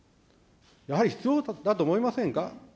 やはり必要だと思いませんか。